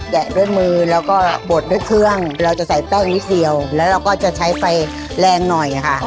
ด้วยมือแล้วก็บดด้วยเครื่องเราจะใส่แป้งนิดเดียวแล้วเราก็จะใช้ไฟแรงหน่อยค่ะ